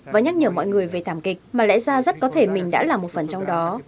và nhắc nhở mọi người về thảm kịch mà lẽ ra rất có thể mình đã là một phần trong đó